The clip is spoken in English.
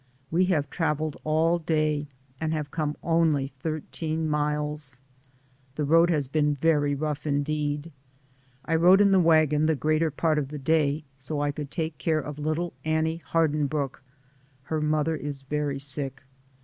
We have traveled all day, and have come only thirteen miles. The road has been very rough indeed. I rode in the wagon the greater part of the day, so I could take care of little Annie Hardinbrooke ; her mother is very sick.